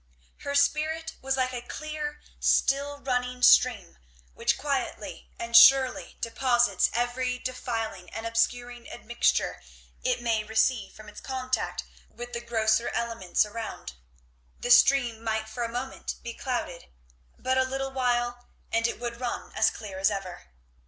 Her spirit was like a clear still running stream which quietly and surely deposits every defiling and obscuring admixture it may receive from its contact with the grosser elements around; the stream might for a moment be clouded; but a little while, and it would run as clear as ever.